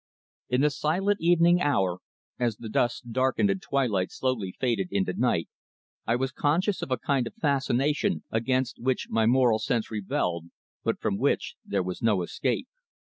In the silent evening hour, as the dusk darkened and twilight slowly faded into night, I was conscious of a kind of fascination against which my moral sense rebelled, but from which there was no escape.